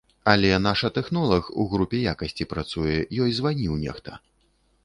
Але наша тэхнолаг, у групе якасці працуе, ёй званіў нехта.